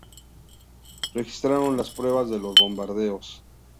Registraron las pruebas de los bombardeos.